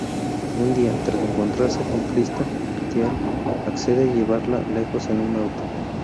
Un día, tras encontrarse con Krista, Teal'c accede llevarla lejos en auto.